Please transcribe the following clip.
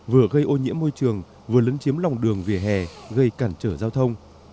vừa gây ô nhiễm môi trường vừa lấn chiếm lòng đường vỉa hè gây cản trở giao thông